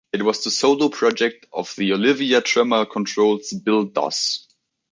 It was the solo project of The Olivia Tremor Control's Bill Doss.